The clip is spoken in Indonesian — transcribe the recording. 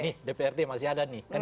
nih dprd masih ada nih